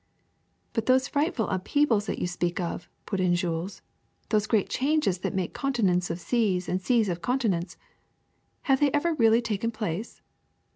'' ^^But those frightful upheavals that you speak of,'' put in Jules, ^' those great changes that make continents of seas and seas of continents — have they ever really taken place?"